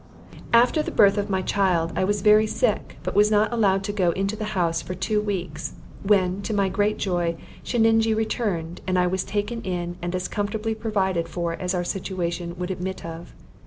After the birth of my child, I was very sick, but was not allowed to go into the house for two weeks; when, to my great joy, Sheninjee returned, and I was taken in and as comfortably provided for as our situation would admit of.